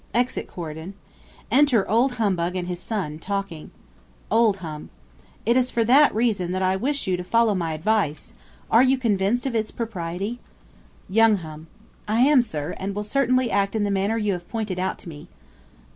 [Exit CORYDON. Enter OLD HUMBUG and his SON, talking. Old Hum. It is for that reason that I wish you to follow my advice. Are you convinced of its propriety? Young Hum. I am, sir, and will certainly act in the manner you have pointed out to me.